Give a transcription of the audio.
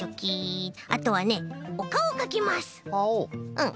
うん。